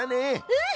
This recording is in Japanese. うん！